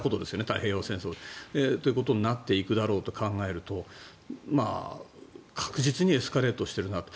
太平洋戦争とか。ということになっていくだろうと考えると確実にエスカレートしているなと。